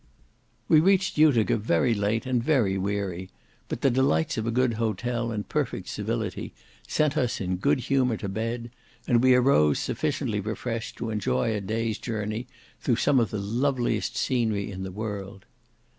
We reached Utica very late and very weary; but the delights of a good hotel and perfect civility sent us in good humour to bed, and we arose sufficiently refreshed to enjoy a day's journey through some of the loveliest scenery in the world.